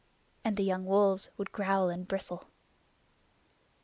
And the young wolves would growl and bristle.